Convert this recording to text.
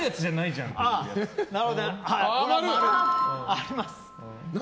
あります。